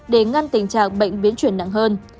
để ngăn tình trạng bệnh biến chuyển nặng hơn